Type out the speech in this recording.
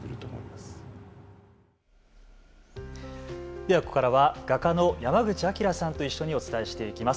ではここからは画家の山口晃さんと一緒にお伝えしていきます。